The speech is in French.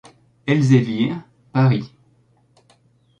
Elzévir, Paris.